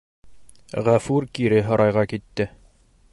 Ғәфүр кире һарайға китә.